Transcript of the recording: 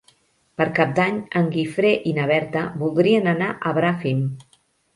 Per Cap d'Any en Guifré i na Berta voldrien anar a Bràfim.